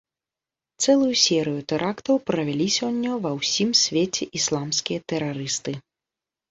Цэлую серыю тэрактаў правялі сёння ва ўсім свеце ісламскія тэрарысты.